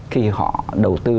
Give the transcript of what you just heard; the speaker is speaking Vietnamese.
khi họ đầu tư